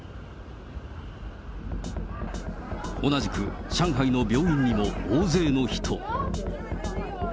同じく上海の病院にも大勢の人。